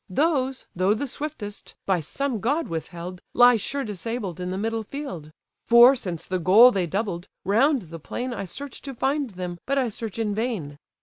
Those, though the swiftest, by some god withheld, Lie sure disabled in the middle field: For, since the goal they doubled, round the plain I search to find them, but I search in vain.